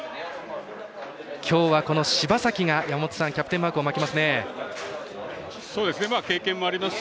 今日はこの柴崎がキャプテンマークを巻きます。